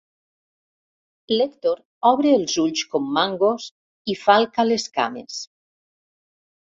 L'Èctor obre els ulls com mangos i falca les cames.